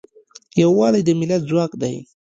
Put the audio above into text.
یوالی د ملت ځواک دی.